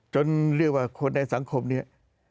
เรียกว่าคนในสังคมเนี่ย